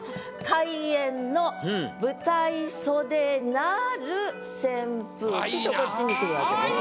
「開演の舞台袖なる扇風機」とこっちに来るわけです。